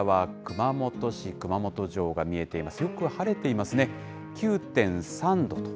こちらは熊本市、熊本城が見えています。